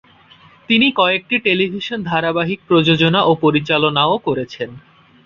তিনি কয়েকটি টেলিভিশন ধারাবাহিক প্রযোজনা ও পরিচালনাও করেছেিলেন।